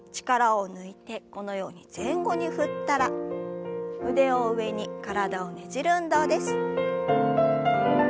力を抜いてこのように前後に振ったら腕を上に体をねじる運動です。